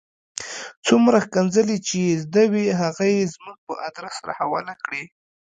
څومره ښکنځلې چې یې زده وې هغه یې زموږ په آدرس را حواله کړې.